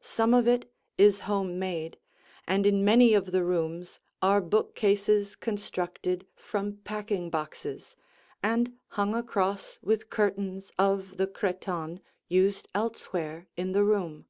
Some of it is home made, and in many of the rooms are bookcases constructed from packing boxes, and hung across with curtains of the cretonne used elsewhere in the room.